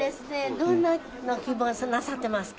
どんなの希望なさってますか？